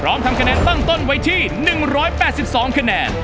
ทำคะแนนตั้งต้นไว้ที่๑๘๒คะแนน